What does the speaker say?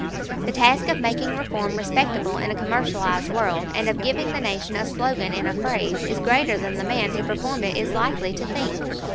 The task of making reform respectable in a commercialized world, and of giving the Nation a slogan in a phrase, is greater than the man who performed it is likely to think.